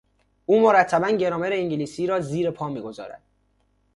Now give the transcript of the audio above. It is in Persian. او مرتبا گرامر انگلیسی را زیرپا میگذارد.